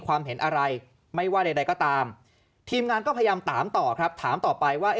ความเห็นอะไรไม่ว่าใดก็ตามทีมงานก็พยายามถามต่อครับถามต่อไปว่า